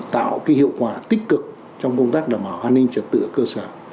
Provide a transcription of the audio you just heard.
tạo hiệu quả tích cực trong công tác đảm bảo an ninh trật tự ở cơ sở